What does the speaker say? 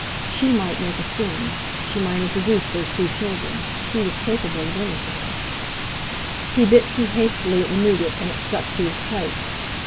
She might make a scene—she might introduce those two children—she was capable of anything. He bit too hastily at the nougat, and it stuck to his plate.